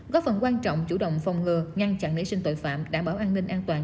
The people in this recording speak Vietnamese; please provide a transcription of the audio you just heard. góp phần quan trọng chủ động phòng ngừa ngăn chặn nảy sinh tội phạm đảm bảo an ninh an toàn